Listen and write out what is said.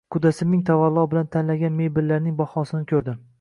Qudasi ming tavallo bilan tanlangan mebellarning bahosini ko‘rdi